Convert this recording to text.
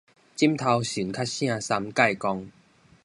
枕頭神較聖三界公